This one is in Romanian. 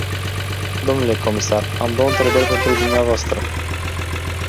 Dle comisar, am două întrebări pentru dumneavoastră.